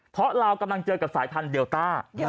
เพราะเรากำลังเจอกับสายพันธุเดลต้า